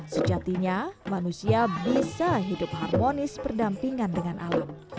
sejatinya manusia bisa hidup harmonis berdampingan dengan alam